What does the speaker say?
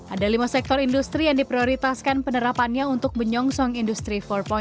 ada lima sektor industri yang diprioritaskan penerapannya untuk menyongsong industri empat